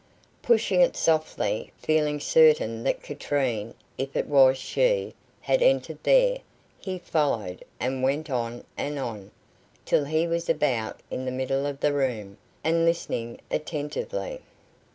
Pushing it softly, feeling certain that Katrine, if it was she, had entered there, he followed, and went on and on, till he was about in the middle of the room, and listening attentively.